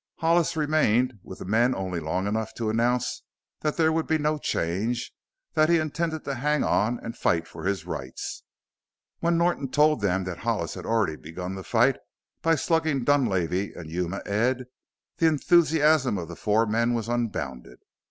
Hollis remained with the men only long enough to announce that there would be no change; that he intended to hang on and fight for his rights. When Norton told them that Hollis had already begun the fight by slugging Dunlavey and Yuma Ed, the enthusiasm of the four men was unbounded.